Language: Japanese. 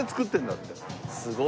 すごい。